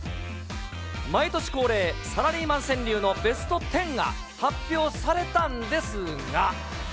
毎年恒例、サラリーマン川柳のベスト１０が、発表されたんですが。